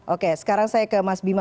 oke sekarang saya ke mas bima